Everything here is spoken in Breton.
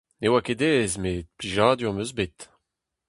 Ne oa ket aes met plijadur 'm eus bet.